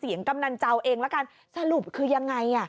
เสียงกำนันเจ้าเองแล้วกันสรุปคือยังไงอ่ะ